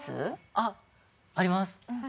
あっあります。